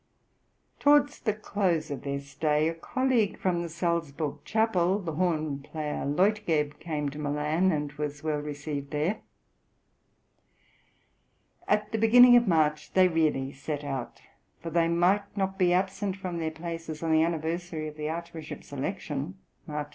Towards the close of their stay a colleague from the Salzburg chapel, the horn player Leutgeb, came to Milan, and was well received there. At the beginning of March they really set out; for they might not be absent from their places on the anniversary of the Archbishop's election (March 14).